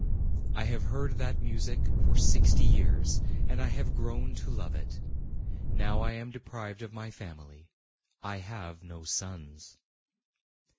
I have heard that music for sixty years, and I have grown to love it. Now I am deprived of my family. I have no sons."